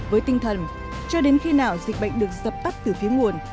với tinh thần cho đến khi nào dịch bệnh được dập tắt từ phía nguồn